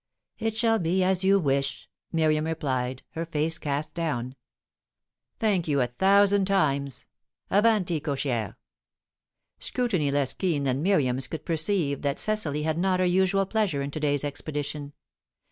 "It shall be as you wish," Miriam replied, her face cast down. "Thank you, a thousand times. Avanti, cocchiere!" Scrutiny less keen than Miriam's could perceive that Cecily had not her usual pleasure in to day's expedition.